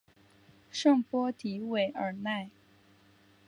圣波迪韦尔奈。